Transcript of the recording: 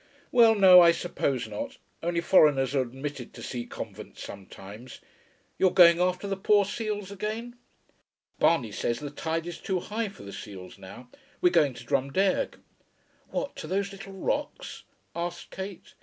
"Well, no, I suppose not. Only foreigners are admitted to see convents sometimes. You're going after the poor seals again?" "Barney says the tide is too high for the seals now. We're going to Drumdeirg." "What, to those little rocks?" asked Kate.